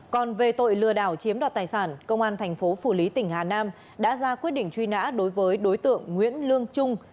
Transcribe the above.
còn về tội lừa đảo chiếm đoạt tài sản công an tp hcm tỉnh hà nam đã ra quyết định truy nã đối với đối tượng nguyễn lương trung